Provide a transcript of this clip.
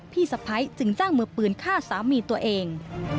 พี่สะพ้ายจึงจ้างมือปืนฆ่าสามีตัวเอง